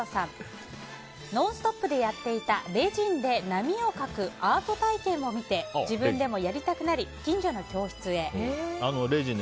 「ノンストップ！」でやっていたレジンで波を描くアート体験を見て自分でもやりたくなり近所の教室へ。